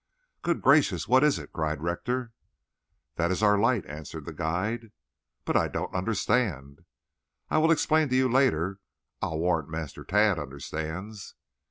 "Good gracious, what is it?" cried Rector. "That is our light," answered the guide. "But I don't understand." "I will explain to you later. I'll warrant Master Tad understands."